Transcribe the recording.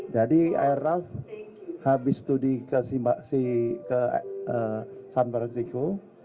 jadi arnr habis itu di san francisco